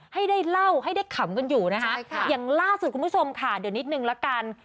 ให้ได้เล่าให้ได้ขำกันอยู่นะคะอย่างล่าสุดคุณผู้ชมค่ะเดี๋ยวนิดนึงละกัน